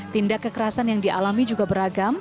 tindak kekerasan yang dialami juga beragam